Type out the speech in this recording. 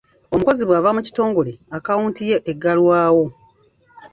Omukozi bw'ava mu kitongole akaawunti ye eggalwawo.